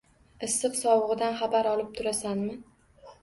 Issiq-sovug`idan xabar olib turasanmi